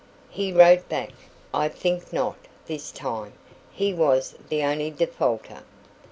He wrote back: "I think not, this time." He was the only defaulter.